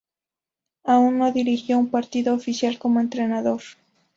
Aun no dirigió un partido oficial como entrenador.